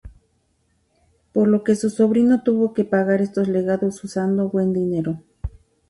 Por lo que su sobrino tuvo que pagar estos legados usando "buen dinero".